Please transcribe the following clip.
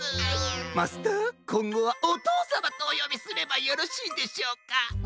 マスターこんごはおとうさまとおよびすればよろしいでしょうか？